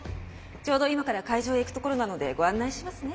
ちょうど今から会場へ行くところなのでご案内しますね。